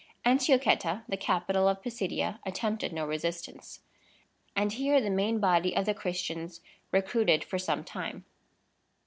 Antiochetta, the capital of Pisidia, attempted no resistance; and here the main body of the Christians recruited for some time.